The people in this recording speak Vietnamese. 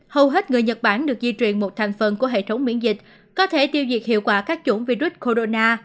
hầu hết người nhật bản được di truyền một thành phần của hệ thống miễn dịch có thể tiêu diệt hiệu quả các chủng virus corona